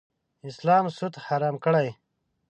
اسلام سود حرام کړی.